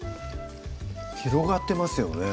広がってますよね